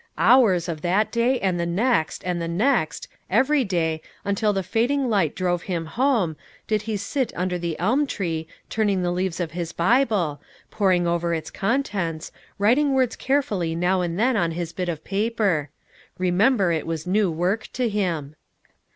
Hours of that day, and the next, and the next, every day, until the fading light drove him home, did he sit under the elm tree turning the leaves of his Bible, poring over its contents, writing words carefully now and then on his bit of paper. Remember it was new work to him.